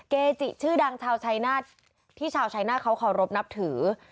เกจิชื่อดังชาวชายนาฏที่ชาวชายนาฏเขาเคารพนับถือ